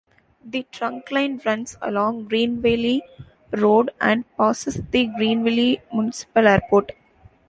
The trunkline runs along Greenville Road and passes the Greenville Municipal Airport.